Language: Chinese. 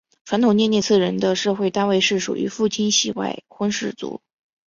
传统涅涅茨人的社会单位是属于父系外婚氏族。